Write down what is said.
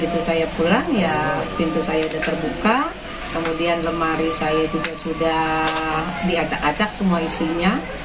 sudah diacak acak semua isinya